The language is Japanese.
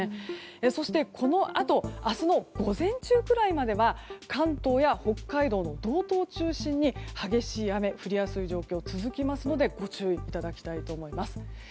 そして、このあと明日の午前中くらいまでは関東や北海道の道東中心に激しい雨、降りやすい状況が続きますのでご注意いただきたいと思います。